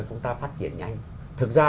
chúng ta phát triển nhanh thực ra